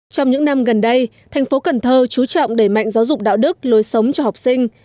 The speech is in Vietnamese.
trong những năm gần đây thành phố cần thơ chú trọng đẩy mạnh giáo dục đạo đức lối sống cho học sinh